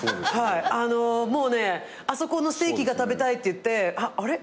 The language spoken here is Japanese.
あのもうね「あそこのステーキが食べたい」って言ってあれ？